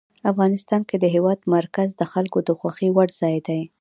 افغانستان کې د هېواد مرکز د خلکو د خوښې وړ ځای دی.